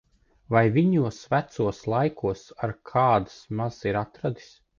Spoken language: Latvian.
Vai viņos vecos laikos ar kāds maz ir atradis!